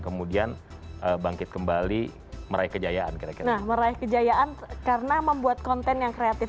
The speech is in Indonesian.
kemudian bangkit kembali meraih kejayaan kira kira meraih kejayaan karena membuat konten yang kreatif